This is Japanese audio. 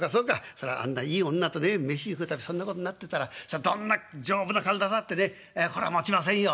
そらあんないい女とね飯食う度そんなことになってたらどんな丈夫な体だってねこらもちませんよ。